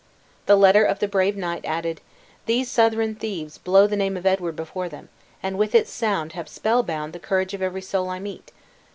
The letter of the brave knight added, "These Southron thieves blow the name of Edward before them, and with its sound have spell bound the courage of every soul I meet.